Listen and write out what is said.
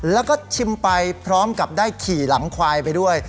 แล้วก็ชิมไปพร้อมกับได้ขี่หลังควายไปด้วย